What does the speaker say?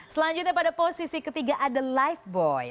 selanjutnya pada posisi ketiga ada lifeboi